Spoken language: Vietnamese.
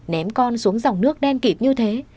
ném con xuống dòng nước đen kịp như thế